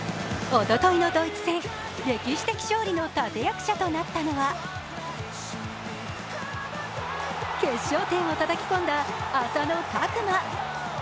おとといのドイツ戦、歴史的勝利の立て役者となったのは決勝点をたたき込んだ浅野拓磨。